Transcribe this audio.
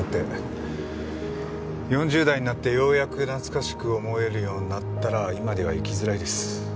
４０代になってようやく懐かしく思えるようになったら今では行きづらいです。